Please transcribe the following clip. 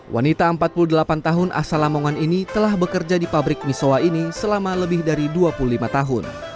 wanita empat puluh delapan tahun asal lamongan ini telah bekerja di pabrik misoa ini selama lebih dari dua puluh lima tahun